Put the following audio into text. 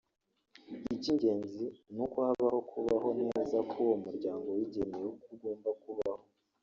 icy’ingenzi n’uko habaho kubaho neza k’uwo muryango wigeneye uko ugomba kubaho